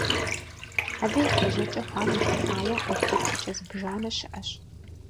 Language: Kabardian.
Абы и къежьэкӀэ хъуам ехьэлӀауэ Ӏуэху еплъыкӀэ зыбжанэ щыӀэщ.